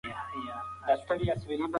احمد پرون په چکر ولاړی او ډېر خوښ و.